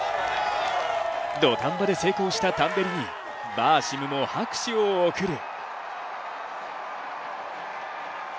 土壇場で成功したタンベリにバーシムも拍手を送る。